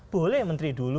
boleh menteri dulu